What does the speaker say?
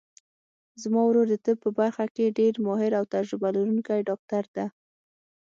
زما ورور د طب په برخه کې ډېر ماهر او تجربه لرونکی ډاکټر ده